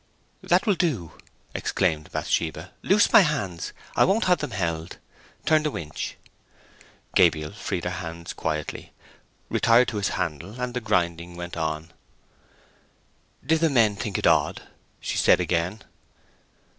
"That will do," exclaimed Bathsheba. "Loose my hands. I won't have them held! Turn the winch." Gabriel freed her hands quietly, retired to his handle, and the grinding went on. "Did the men think it odd?" she said again.